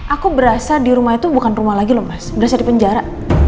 aku berasa di rumah itu bukan rumah lagi loh mas berasa di penjara